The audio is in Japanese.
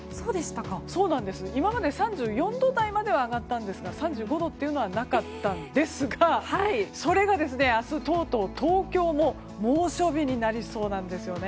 今まで３４度台までは上がったんですが３５度というのはなかったんですがそれが、明日とうとう東京も猛暑日になりそうなんです。